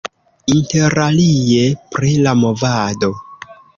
Interalie pri la movado.